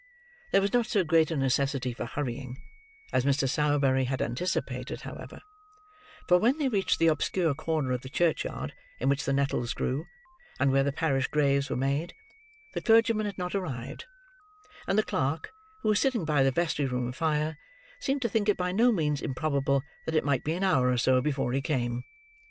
There was not so great a necessity for hurrying as Mr. Sowerberry had anticipated, however; for when they reached the obscure corner of the churchyard in which the nettles grew, and where the parish graves were made, the clergyman had not arrived; and the clerk, who was sitting by the vestry room fire, seemed to think it by no means improbable that it might be an hour or so, before he came.